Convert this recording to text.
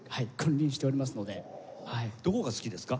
どこが好きですか？